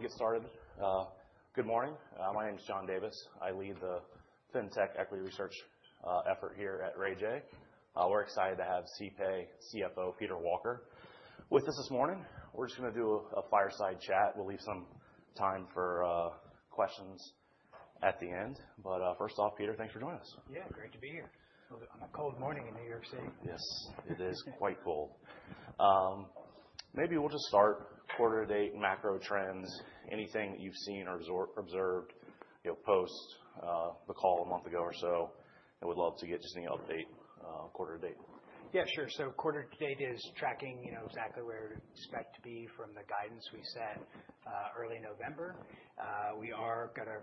Get started. Good morning. My name is John Davis. I lead the FinTech equity research effort here at Ray J. We're excited to have CPAY CFO Peter Walker with us this morning. We're just going to do a fireside chat. We'll leave some time for questions at the end. But first off, Peter, thanks for joining us. Yeah, great to be here on a cold morning in New York City. Yes, it is quite cold. Maybe we'll just start quarter-to-date macro trends. Anything that you've seen or observed post the call a month ago or so, I would love to get just an update quarter-to-date. Yeah, sure. So quarter to date is tracking exactly where we expect to be from the guidance we set early November. We are going to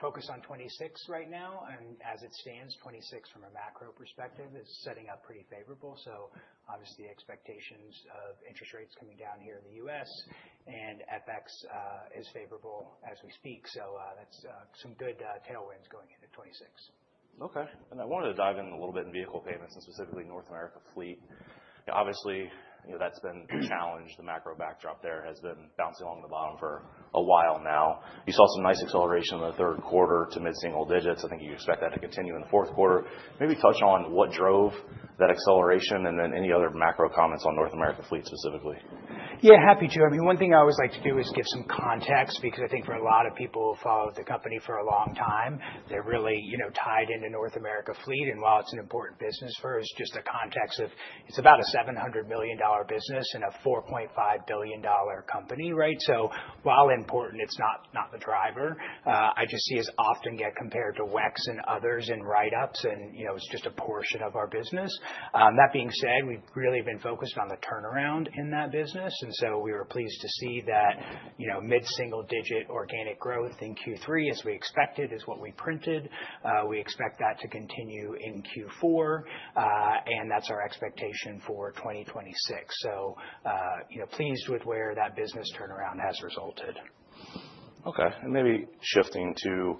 focus on 2026 right now. And as it stands, 2026 from a macro perspective is setting up pretty favorable. So obviously, the expectations of interest rates coming down here in the U.S. and FX is favorable as we speak. So that's some good tailwinds going into 2026. OK, and I wanted to dive in a little bit in vehicle payments and specifically North America fleet. Obviously, that's been a challenge. The macro backdrop there has been bouncing along the bottom for a while now. You saw some nice acceleration in the third quarter to mid-single digits. I think you expect that to continue in the fourth quarter. Maybe touch on what drove that acceleration and then any other macro comments on North America fleet specifically. Yeah, happy to. I mean, one thing I always like to do is give some context because I think for a lot of people who followed the company for a long time, they're really tied into North America fleet. And while it's an important business for us, just the context of it's about a $700 million business and a $4.5 billion company, right? So while important, it's not the driver. I just see us often get compared to WEX and others and write-ups. And it's just a portion of our business. That being said, we've really been focused on the turnaround in that business. And so we were pleased to see that mid-single digit organic growth in Q3, as we expected, is what we printed. We expect that to continue in Q4. And that's our expectation for 2026. So pleased with where that business turnaround has resulted. OK. And maybe shifting to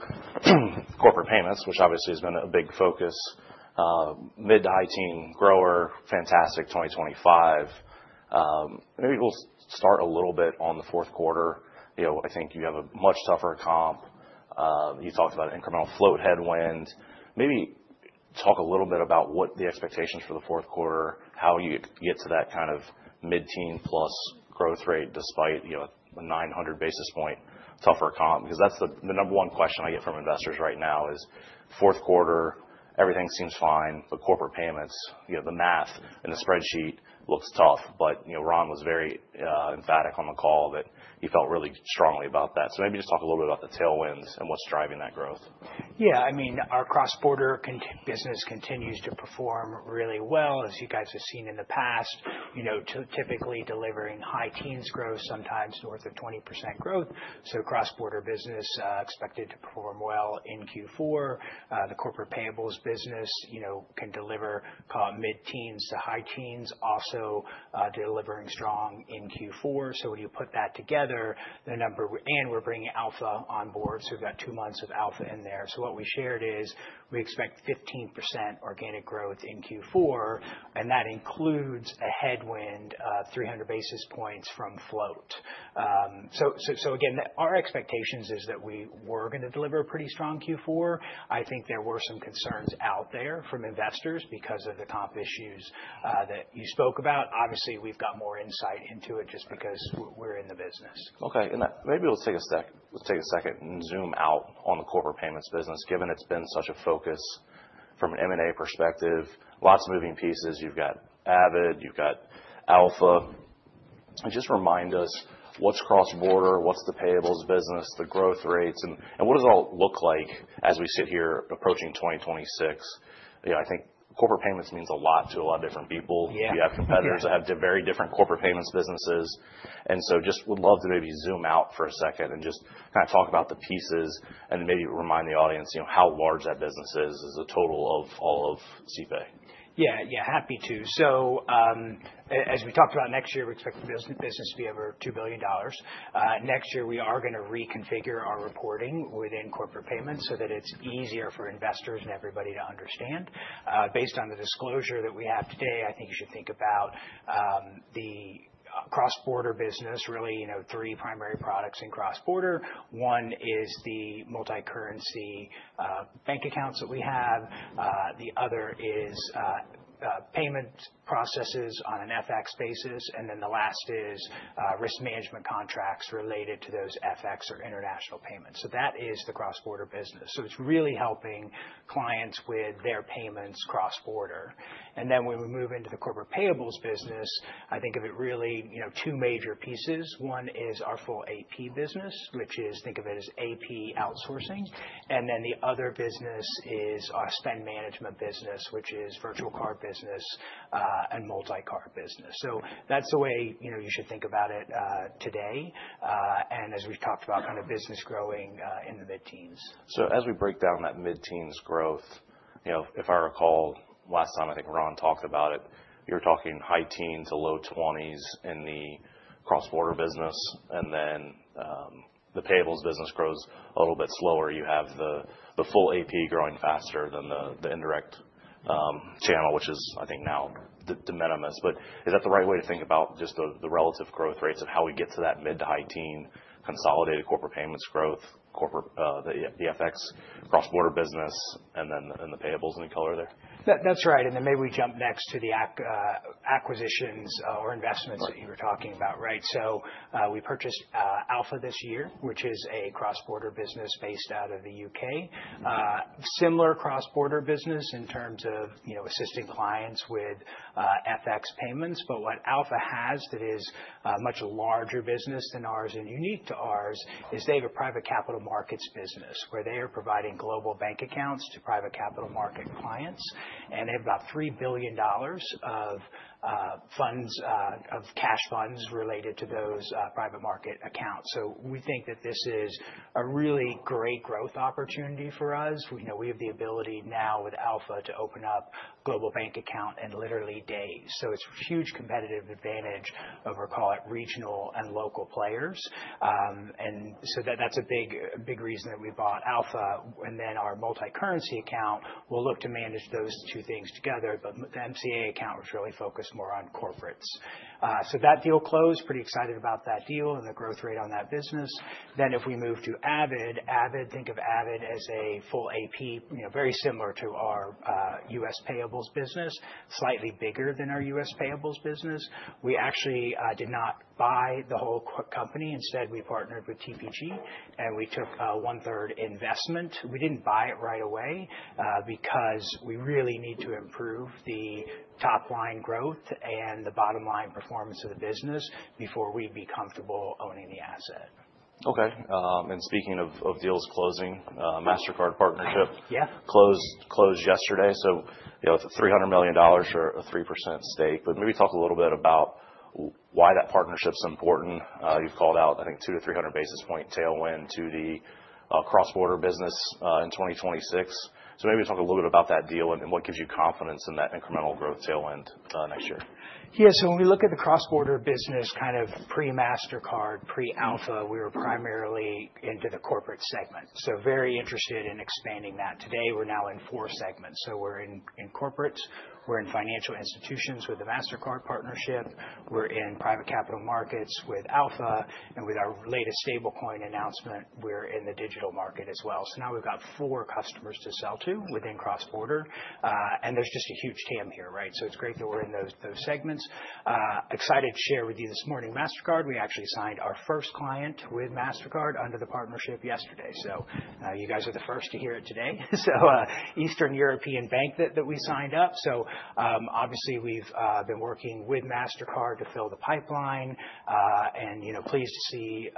corporate payments, which obviously has been a big focus. Mid-teen grower, fantastic 2025. Maybe we'll start a little bit on the fourth quarter. I think you have a much tougher comp. You talked about incremental float headwinds. Maybe talk a little bit about what the expectations for the fourth quarter, how you get to that kind of mid-teen plus growth rate despite a 900 basis points tougher comp. Because that's the number one question I get from investors right now is fourth quarter, everything seems fine. But corporate payments, the math and the spreadsheet looks tough. But Ron was very emphatic on the call that he felt really strongly about that. So maybe just talk a little bit about the tailwinds and what's driving that growth. Yeah. I mean, our cross-border business continues to perform really well, as you guys have seen in the past, typically delivering high teens growth, sometimes north of 20% growth. So cross-border business expected to perform well in Q4. The corporate payables business can deliver mid-teens to high teens, also delivering strong in Q4. So when you put that together, the number and we're bringing Alpha on board. So we've got two months of Alpha in there. So what we shared is we expect 15% organic growth in Q4. And that includes a headwind of 300 basis points from float. So again, our expectations is that we were going to deliver a pretty strong Q4. I think there were some concerns out there from investors because of the comp issues that you spoke about. Obviously, we've got more insight into it just because we're in the business. OK. And maybe we'll take a second and zoom out on the corporate payments business, given it's been such a focus from an M&A perspective. Lots of moving pieces. You've got Avid. You've got Alpha. And just remind us, what's cross-border? What's the payables business, the growth rates, and what does it all look like as we sit here approaching 2026? I think corporate payments means a lot to a lot of different people. You have competitors that have very different corporate payments businesses. And so just would love to maybe zoom out for a second and just kind of talk about the pieces and maybe remind the audience how large that business is as a total of all of CPAY. Yeah, yeah, happy to. So as we talked about, next year, we expect the business to be over $2 billion. Next year, we are going to reconfigure our reporting within corporate payments so that it's easier for investors and everybody to understand. Based on the disclosure that we have today, I think you should think about the cross-border business, really three primary products in cross-border. One is the multi-currency bank accounts that we have. The other is payment processes on an FX basis. And then the last is risk management contracts related to those FX or international payments. So that is the cross-border business. So it's really helping clients with their payments cross-border. And then when we move into the corporate payables business, I think of it really two major pieces. One is our full AP business, which is think of it as AP outsourcing. Then the other business is our spend management business, which is virtual card business and multi-card business. So that's the way you should think about it today. As we've talked about, kind of business growing in the mid-teens. So as we break down that mid-teens growth, if I recall, last time, I think Ron talked about it, you were talking high teens to low 20s in the cross-border business. And then the payables business grows a little bit slower. You have the full AP growing faster than the indirect channel, which is, I think, now de minimis. But is that the right way to think about just the relative growth rates of how we get to that mid- to high-teens consolidated corporate payments growth, the FX cross-border business, and then the payables in color there? That's right, and then maybe we jump next to the acquisitions or investments that you were talking about, right? So we purchased Alpha this year, which is a cross-border business based out of the UK, a similar cross-border business in terms of assisting clients with FX payments. But what Alpha has that is a much larger business than ours and unique to ours is they have a private capital markets business where they are providing global bank accounts to private capital market clients, and they have about $3 billion of cash funds related to those private market accounts, so we think that this is a really great growth opportunity for us. We know we have the ability now with Alpha to open up global bank account in literally days, so it's a huge competitive advantage over, call it, regional and local players. And so that's a big reason that we bought Alpha. And then our multi-currency account will look to manage those two things together. But the MCA account was really focused more on corporates. So that deal closed. Pretty excited about that deal and the growth rate on that business. Then if we move to Avid, think of Avid as a full AP, very similar to our U.S. payables business, slightly bigger than our U.S. payables business. We actually did not buy the whole company. Instead, we partnered with TPG. And we took one-third investment. We didn't buy it right away because we really need to improve the top-line growth and the bottom-line performance of the business before we'd be comfortable owning the asset. OK. And speaking of deals closing, Mastercard partnership closed yesterday. So $300 million or a 3% stake. But maybe talk a little bit about why that partnership's important. You've called out, I think, 200-300 basis points tailwind to the cross-border business in 2026. So maybe talk a little bit about that deal and what gives you confidence in that incremental growth tailwind next year. Yeah, so when we look at the cross-border business kind of pre-Mastercard, pre-Alpha, we were primarily into the corporate segment, so very interested in expanding that. Today, we're now in four segments, so we're in corporates. We're in financial institutions with the Mastercard partnership. We're in private capital markets with Alpha. And with our latest stablecoin announcement, we're in the digital market as well. So now we've got four customers to sell to within cross-border. And there's just a huge TAM here, right? So it's great that we're in those segments. Excited to share with you this morning, Mastercard, we actually signed our first client with Mastercard under the partnership yesterday. So you guys are the first to hear it today. So Eastern European bank that we signed up. So obviously, we've been working with Mastercard to fill the pipeline. And pleased to see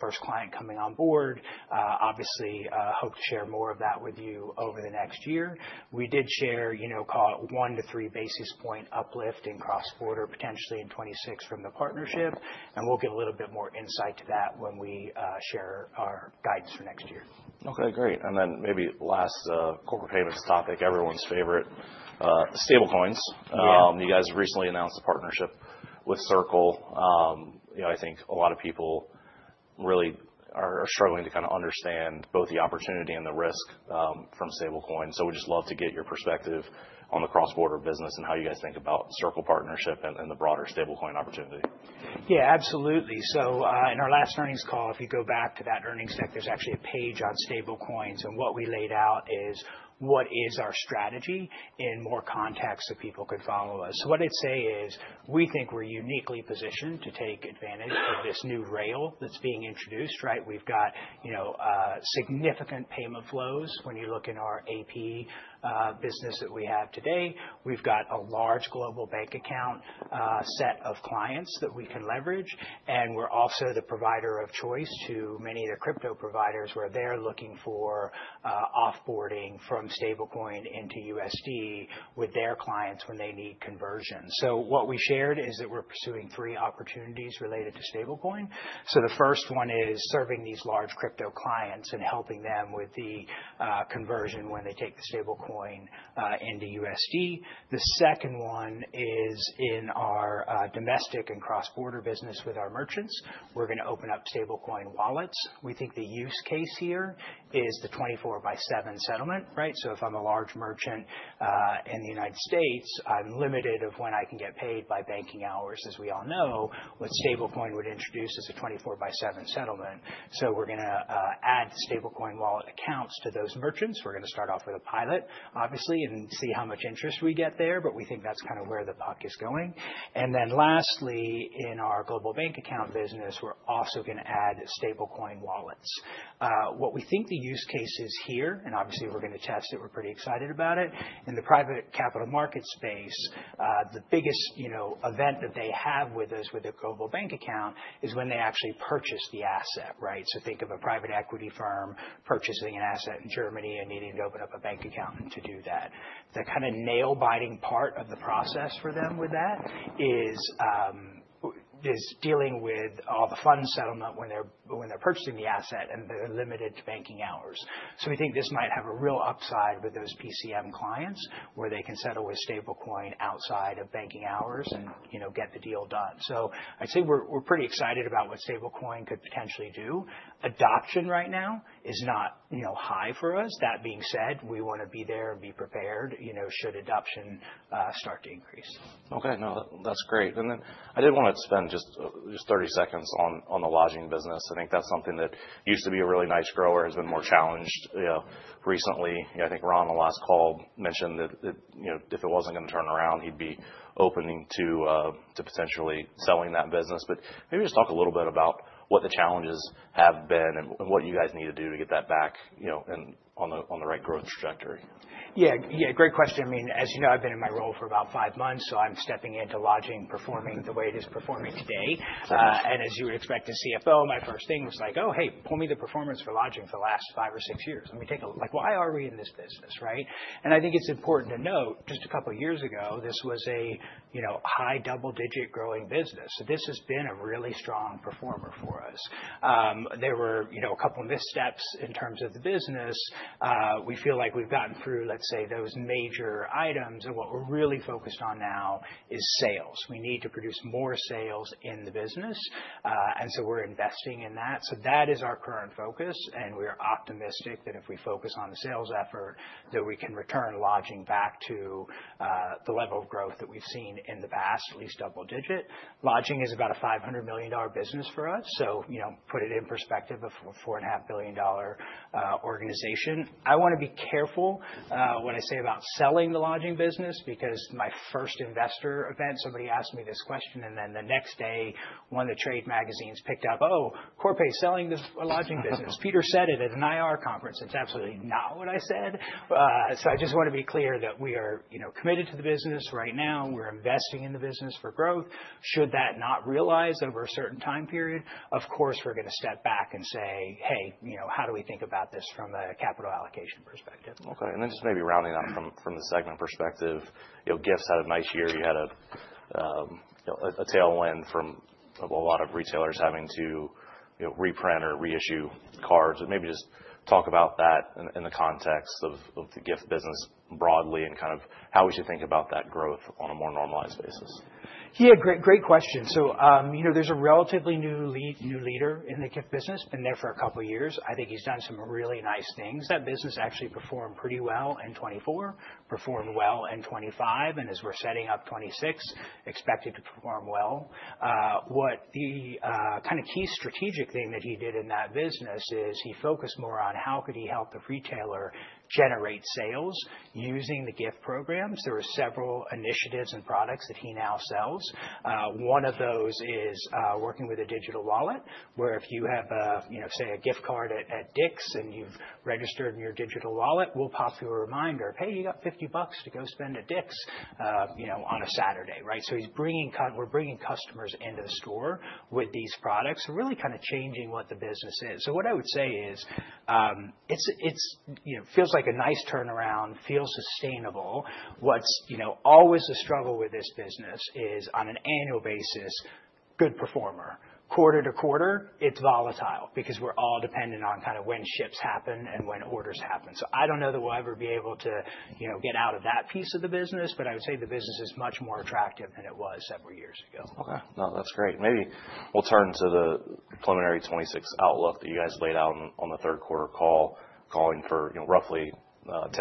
first client coming on board. Obviously, hope to share more of that with you over the next year. We did share one to three basis points uplift in cross-border potentially in 2026 from the partnership. And we'll give a little bit more insight to that when we share our guidance for next year. OK, great. And then maybe last corporate payments topic, everyone's favorite, stablecoins. You guys recently announced a partnership with Circle. I think a lot of people really are struggling to kind of understand both the opportunity and the risk from stablecoins. So we'd just love to get your perspective on the cross-border business and how you guys think about Circle partnership and the broader stablecoin opportunity. Yeah, absolutely. So in our last earnings call, if you go back to that earnings deck, there's actually a page on stablecoins, and what we laid out is what is our strategy in more context so people could follow us, so what I'd say is we think we're uniquely positioned to take advantage of this new rail that's being introduced, right? We've got significant payment flows when you look in our AP business that we have today. We've got a large global bank account set of clients that we can leverage, and we're also the provider of choice to many of the crypto providers where they're looking for offboarding from stablecoin into USD with their clients when they need conversion, so what we shared is that we're pursuing three opportunities related to stablecoin. So the first one is serving these large crypto clients and helping them with the conversion when they take the stablecoin into USD. The second one is in our domestic and cross-border business with our merchants. We're going to open up stablecoin wallets. We think the use case here is the 24/7 settlement, right? So if I'm a large merchant in the United States, I'm limited of when I can get paid by banking hours, as we all know. What stablecoin would introduce is a 24/7 settlement. So we're going to add stablecoin wallet accounts to those merchants. We're going to start off with a pilot, obviously, and see how much interest we get there. But we think that's kind of where the puck is going. And then lastly, in our global bank account business, we're also going to add stablecoin wallets. What we think the use case is here, and obviously, we're going to test it. We're pretty excited about it. In the Private Capital Markets space, the biggest event that they have with us with a Global Bank Account is when they actually purchase the asset, right? So think of a private equity firm purchasing an asset in Germany and needing to open up a bank account to do that. The kind of nail-biting part of the process for them with that is dealing with all the funds settlement when they're purchasing the asset and they're limited to banking hours. So we think this might have a real upside with those PCM clients where they can settle with Stablecoin outside of banking hours and get the deal done. So I'd say we're pretty excited about what Stablecoin could potentially do. Adoption right now is not high for us. That being said, we want to be there and be prepared should adoption start to increase. OK. No, that's great. And then I did want to spend just 30 seconds on the lodging business. I think that's something that used to be a really nice grower, has been more challenged recently. I think Ron on the last call mentioned that if it wasn't going to turn around, he'd be open to potentially selling that business. But maybe just talk a little bit about what the challenges have been and what you guys need to do to get that back on the right growth trajectory. Yeah, yeah, great question. I mean, as you know, I've been in my role for about five months. So I'm stepping into lodging performing the way it is performing today. And as you would expect a CFO, my first thing was like, oh, hey, pull me the performance for lodging for the last five or six years. Let me take a look. Why are we in this business, right? And I think it's important to note, just a couple of years ago, this was a high double-digit growing business. So this has been a really strong performer for us. There were a couple of missteps in terms of the business. We feel like we've gotten through, let's say, those major items. And what we're really focused on now is sales. We need to produce more sales in the business. And so we're investing in that. So that is our current focus. And we are optimistic that if we focus on the sales effort, that we can return lodging back to the level of growth that we've seen in the past, at least double-digit. Lodging is about a $500 million business for us. So put it in perspective, a $4.5 billion organization. I want to be careful when I say about selling the lodging business because my first investor event, somebody asked me this question. And then the next day, one of the trade magazines picked up, oh, Corpay is selling the lodging business. Peter said it at an IR conference. It's absolutely not what I said. So I just want to be clear that we are committed to the business right now. We're investing in the business for growth. Should that not realize over a certain time period, of course, we're going to step back and say, hey, how do we think about this from a capital allocation perspective? OK, and then just maybe rounding up from the segment perspective, gift had a nice year. You had a tailwind from a lot of retailers having to reprint or reissue cards. Maybe just talk about that in the context of the gift business broadly and kind of how we should think about that growth on a more normalized basis. Yeah, great question. So there's a relatively new leader in the GIF business. Been there for a couple of years. I think he's done some really nice things. That business actually performed pretty well in 2024, performed well in 2025, and as we're setting up 2026, expected to perform well. What the kind of key strategic thing that he did in that business is he focused more on how could he help the retailer generate sales using the GIF programs. There are several initiatives and products that he now sells. One of those is working with a digital wallet where if you have, say, a gift card at Dick's and you've registered in your digital wallet, we'll pop you a reminder of, hey, you got $50 to go spend at Dick's on a Saturday, right? So we're bringing customers into the store with these products and really kind of changing what the business is. So what I would say is it feels like a nice turnaround, feels sustainable. What's always a struggle with this business is on an annual basis, good performer. Quarter to quarter, it's volatile because we're all dependent on kind of when ships happen and when orders happen. So I don't know that we'll ever be able to get out of that piece of the business. But I would say the business is much more attractive than it was several years ago. OK. No, that's great. Maybe we'll turn to the preliminary '26 outlook that you guys laid out on the third quarter call, calling for roughly 10%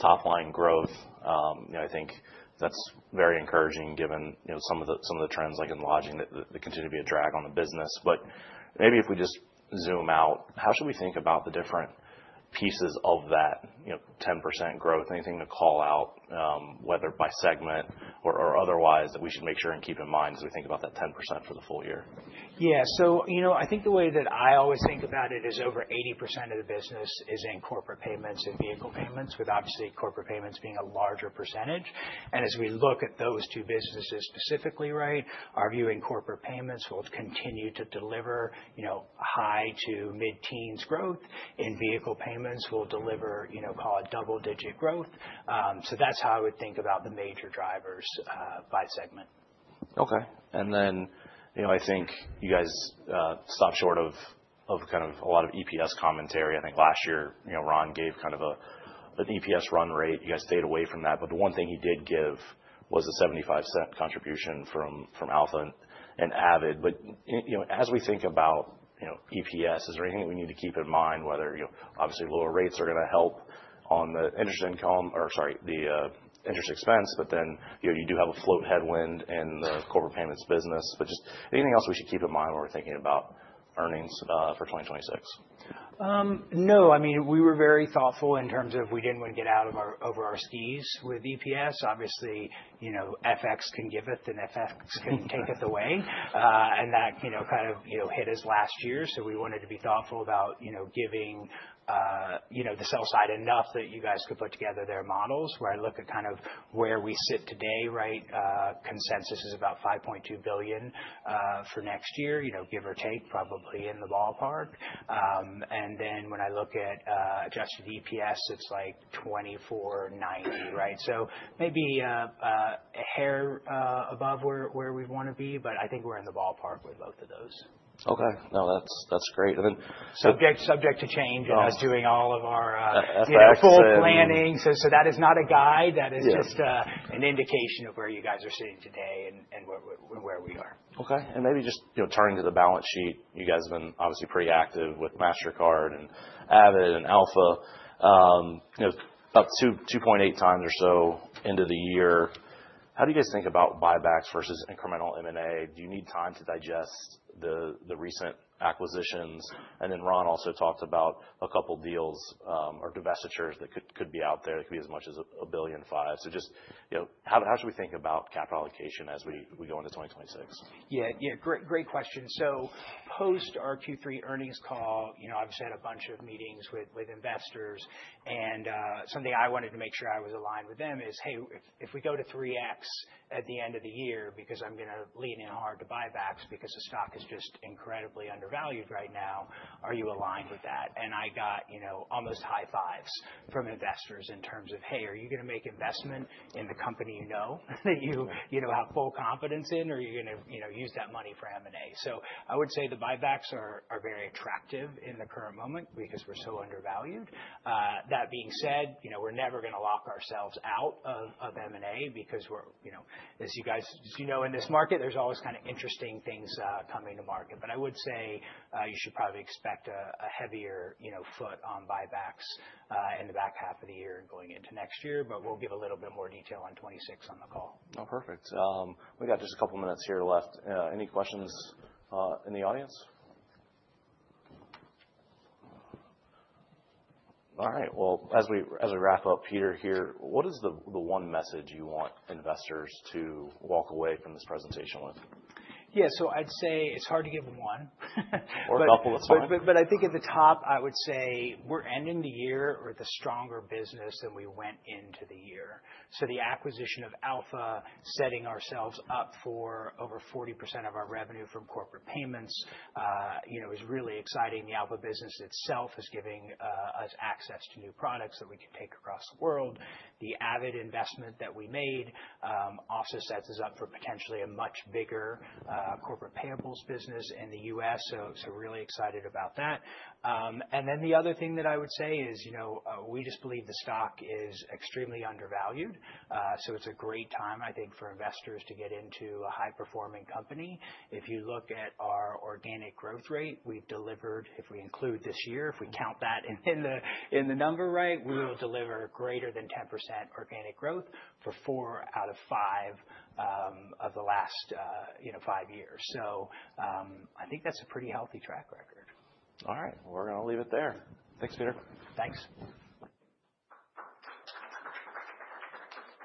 top-line growth. I think that's very encouraging given some of the trends, like in lodging, that continue to be a drag on the business, but maybe if we just zoom out, how should we think about the different pieces of that 10% growth? Anything to call out, whether by segment or otherwise, that we should make sure and keep in mind as we think about that 10% for the full year? Yeah. So you know I think the way that I always think about it is over 80% of the business is in corporate payments and vehicle payments, with obviously corporate payments being a larger percentage, and as we look at those two businesses specifically, right, our view in corporate payments will continue to deliver high to mid-teens growth. In vehicle payments, we'll deliver, call it, double-digit growth, so that's how I would think about the major drivers by segment. OK. And then I think you guys stopped short of kind of a lot of EPS commentary. I think last year, Ron gave kind of an EPS run rate. You guys stayed away from that. But the one thing he did give was a 75% contribution from Alpha and Avid. But as we think about EPS, is there anything that we need to keep in mind, whether obviously lower rates are going to help on the interest income or, sorry, the interest expense, but then you do have a float headwind in the corporate payments business. But just anything else we should keep in mind when we're thinking about earnings for 2026? No. I mean, we were very thoughtful in terms of we didn't want to get out over our skis with EPS. Obviously, FX can give it, and FX can take it away. And that kind of hit us last year. So we wanted to be thoughtful about giving the sell side enough that you guys could put together their models. Where I look at kind of where we sit today, right, consensus is about $5.2 billion for next year, give or take, probably in the ballpark. And then when I look at adjusted EPS, it's like $24.90, right? So maybe a hair above where we'd want to be. But I think we're in the ballpark with both of those. OK. No, that's great. And then. Subject to change as doing all of our beautiful planning. So that is not a guide. That is just an indication of where you guys are sitting today and where we are. OK. And maybe just turning to the balance sheet, you guys have been obviously pretty active with Mastercard and AvidXchange and Alpha Group. About 2.8 times or so into the year. How do you guys think about buybacks versus incremental M&A? Do you need time to digest the recent acquisitions? And then Ron also talked about a couple of deals or divestitures that could be out there. It could be as much as $1.5 billion. So just how should we think about capital allocation as we go into 2026? Yeah, yeah, great question. So post our Q3 earnings call, obviously had a bunch of meetings with investors. And something I wanted to make sure I was aligned with them is, hey, if we go to 3x at the end of the year because I'm going to lean in hard to buybacks because the stock is just incredibly undervalued right now, are you aligned with that? And I got almost high fives from investors in terms of, hey, are you going to make investment in the company you know that you have full confidence in, or are you going to use that money for M&A? So I would say the buybacks are very attractive in the current moment because we're so undervalued. That being said, we're never going to lock ourselves out of M&A because as you guys know, in this market, there's always kind of interesting things coming to market. But I would say you should probably expect a heavier foot on buybacks in the back half of the year and going into next year. But we'll give a little bit more detail on 2026 on the call. No, perfect. We've got just a couple of minutes here left. Any questions in the audience? All right. Well, as we wrap up, Peter here, what is the one message you want investors to walk away from this presentation with? Yeah, so I'd say it's hard to give one. Or a couple. That's fine. But I think at the top, I would say we're ending the year with a stronger business than we went into the year. So the acquisition of Alpha, setting ourselves up for over 40% of our revenue from corporate payments is really exciting. The Alpha business itself is giving us access to new products that we can take across the world. The Avid investment that we made also sets us up for potentially a much bigger corporate payables business in the U.S. So really excited about that. And then the other thing that I would say is we just believe the stock is extremely undervalued. So it's a great time, I think, for investors to get into a high-performing company. If you look at our organic growth rate, we've delivered, if we include this year, if we count that in the number, right, we will deliver greater than 10% organic growth for four out of five of the last five years. So I think that's a pretty healthy track record. All right. Well, we're going to leave it there. Thanks, Peter. Thanks.